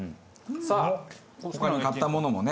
さあ他に買ったものもね